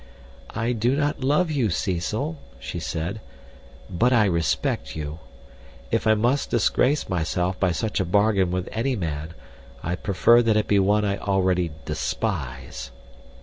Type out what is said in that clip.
"I do not love you, Cecil," she said, "but I respect you. If I must disgrace myself by such a bargain with any man, I prefer that it be one I already despise.